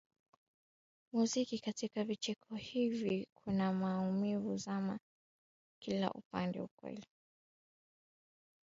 muziki katika vicheko hivi kuna maumivu zama kina upate ukweli